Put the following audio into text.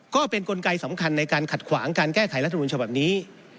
ก็เป็นกลไกสำคัญในการขัดขวางการแก้ไขรัฐมนุนฉบับนี้